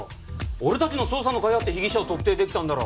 俺たちの捜査のかいあって被疑者を特定できたんだろ。